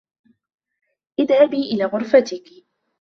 إذهبي إلىَ غرقتِك!